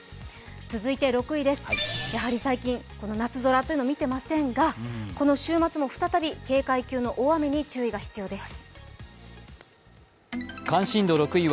続いて６位です、やはり最近、夏空を見ていませんが、この週末も再び警戒級の大雨に注意が必要です。